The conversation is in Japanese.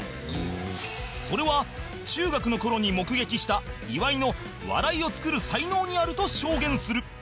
それは中学の頃に目撃した岩井の笑いを作る才能にあると証言する